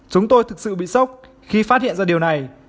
chúng tôi thực sự bị sốc khi phát hiện ra điều này